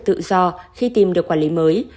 tự do khi tìm được quản lý mới